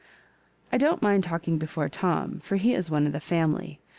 19 "I don't mind talking before Tom, for be is one of tbe ikmily.